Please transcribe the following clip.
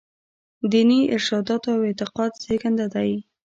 دیني ارشاداتو او اعتقاد زېږنده دي.